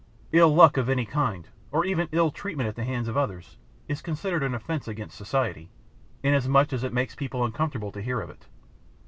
Ill luck of any kind, or even ill treatment at the hands of others, is considered an offence against society, inasmuch as it makes people uncomfortable to hear of it.